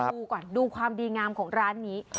ดูก่อนดูความดีงามของร้านนี้